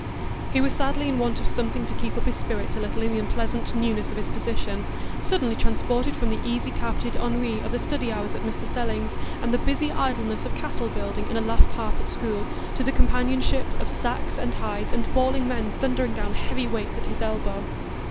He was sadly in want of something to keep up his spirits a little in the unpleasant newness of his position,—suddenly transported from the easy carpeted ennui of study hours at Mr Stelling's, and the busy idleness of castle building in a "last half" at school, to the companionship of sacks and hides, and bawling men thundering down heavy weights at his elbow.